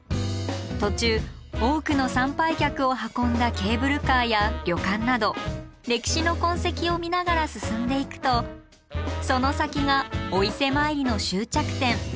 途中多くの参拝客を運んだケーブルカーや旅館など歴史の痕跡を見ながら進んでいくとその先がお伊勢参りの終着点。